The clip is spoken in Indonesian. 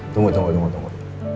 tunggu tunggu tunggu